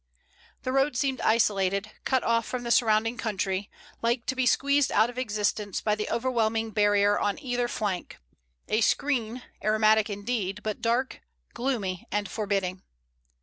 The road seemed isolated, cut off from the surrounding country, like to be squeezed out of existence by the overwhelming barrier on either flank, a screen, aromatic indeed, but dark, gloomy, and forbidding.